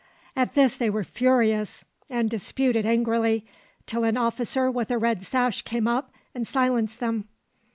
At this they were furious and disputed angrily, till an officer with a red sash came up and silenced them.